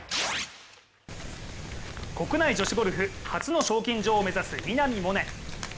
国内女子ゴルフ初の賞金女王を目指す稲見萌寧。